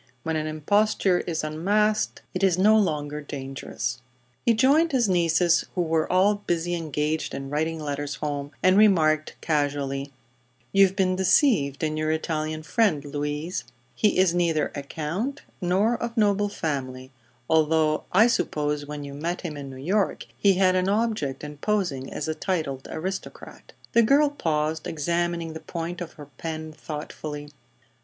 When an imposture is unmasked it is no longer dangerous. He joined his nieces, who were all busily engaged in writing letters home, and remarked, casually: "You've been deceived in your Italian friend, Louise. He is neither a count nor of noble family, although I suppose when you met him in New York he had an object in posing as a titled aristocrat." The girl paused, examining the point of her pen thoughtfully.